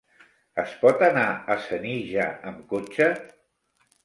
Es pot anar a Senija amb cotxe?